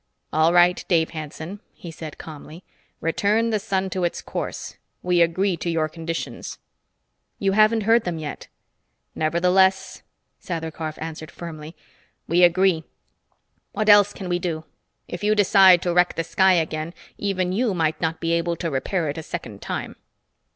"All right, Dave Hanson," he said calmly. "Return the sun to its course. We agree to your conditions." "You haven't heard them yet!" "Nevertheless," Sather Karf answered firmly, "we agree. What else can we do? If you decided to wreck the sky again, even you might not be able to repair it a second time."